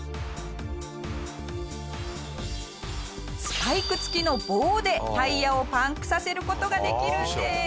スパイク付きの棒でタイヤをパンクさせる事ができるんです。